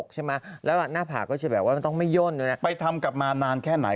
ใช่เอาหน้าไม่ได้ทำเยอะเหรอ